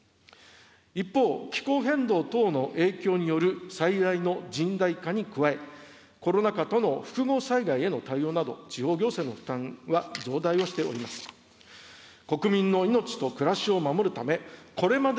一方、気候変動等の影響による災害の甚大化に加え、コロナ禍との複合災害への対応など、地方行政の負担は増大をしております。